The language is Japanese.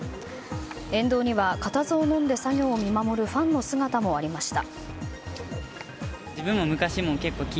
沿道には固唾をのんで作業を見守るファンの姿もありました。